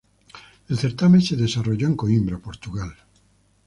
El certamen se desarrolló en Coímbra, Portugal.